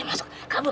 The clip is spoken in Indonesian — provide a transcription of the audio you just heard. mampus nih aneh